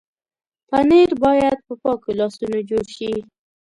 پنېر باید په پاکو لاسونو جوړ شي.